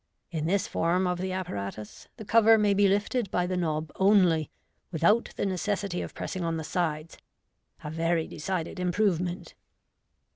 In this form of the apparatus the cover may be lifted by the knob only, without the necessity of pressing on the sides — a very decided improvement.